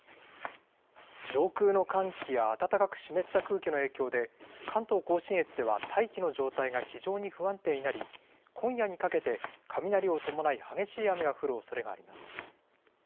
上空の寒気や暖かく湿った空気の影響で、関東甲信越では大気の状態が非常に不安定になり、今夜にかけて、雷を伴い激しい雨が降るおそれがあります。